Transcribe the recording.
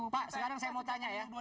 pak sekarang saya mau tanya ya